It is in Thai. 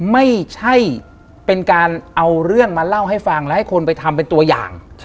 ไม่ใช่เป็นการเอาเรื่องมาเล่าให้ฟังและให้คนไปทำเป็นตัวอย่าง